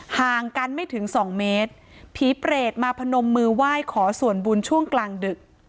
ห่างกันไม่ถึงสองเมตรผีเปรตมาพนมมือไหว้ขอส่วนบุญช่วงกลางดึก